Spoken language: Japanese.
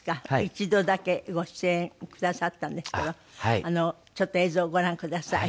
一度だけご出演くださったんですけどちょっと映像をご覧ください。